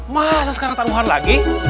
masa sekarang taruhan lagi